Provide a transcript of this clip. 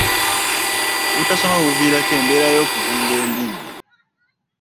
Obutasoma buviirako embeera y'okuzimba embi.